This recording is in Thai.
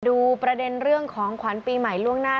ดูประเด็นเรื่องของขวัญปีใหม่ล่วงหน้า